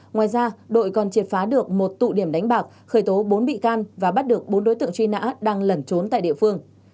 ngoài ra đội còn triệt phá được một tụ điểm đánh bạc khởi tố bốn bị can và bắt được bốn đối tượng truy nã đang lẩn trốn tại địa phương